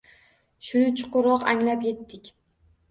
Shuni chuqurroq anglab yetdik